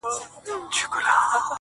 ګواکي ستا په حق کي هیڅ نه دي لیکلي-